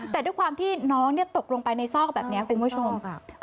แต่ด้วยความที่น้องตกลงไปในซอกแบบนี้คุณผู้ชม